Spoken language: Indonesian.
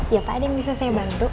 ya pak ada yang bisa saya bantu